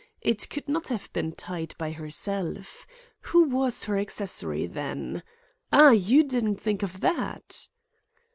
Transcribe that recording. It could not have been tied by herself. Who was her accessory then? Ah, you didn't think of that."